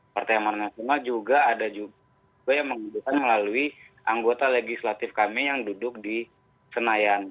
partai yang mana semua juga ada juga yang mengundurkan melalui anggota legislatif kami yang duduk di senayan